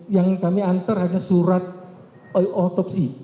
yang kami antar hanya surat otopsi